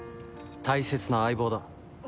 大切な相棒だ。